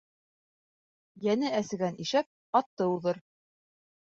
Йәне әсегән ишәк атты уҙыр.